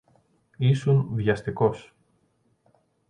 Ήσουν βιαστικός.